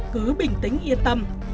cứ bình tĩnh yên tâm